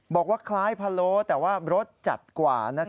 บอกว่าคล้ายพะโล้แต่ว่ารสจัดกว่า